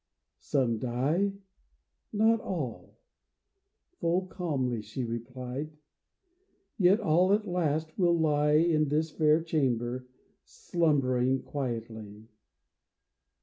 " Some die — not all," full calmly she replied. *' Yet all at last will lie In this fair chamber, slumbering quietly.